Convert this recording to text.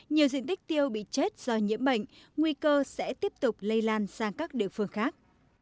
nhiều diện tích tiêu bị chết do nhiễm bệnh nguy cơ sẽ tiếp tục lây lan sang các địa phương khác